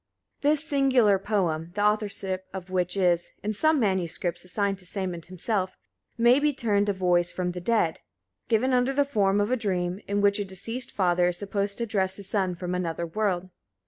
This singular poem, the authorship of which is, in some manuscripts, assigned to Sæmund himself, may be termed a Voice from the Dead, given under the form of a dream, in which a deceased father is supposed to address his son from another world.